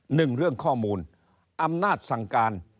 หนึ่งเรื่องข้อมูลอำนาจสั่งการ